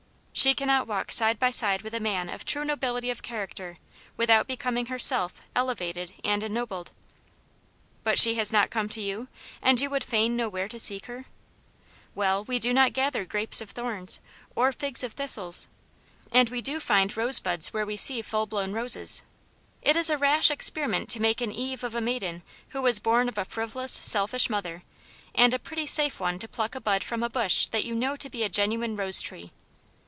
She cannot walk side by side with a man of true nobility of character without becoming herself elevated and ennobled. But she has not come to you, and you would fain know where to seek her ? Well, we do not gather grapes of thorns, or figs of thistles, and we do find rose buds where we see fuU blpwn roses. It is a rash experiment to make an Eve of a maiden who was bom of a frivolous, selfish mother ; and a pretty safe one to pluck a bud from] a bush that . you know to be a genuine rose tree.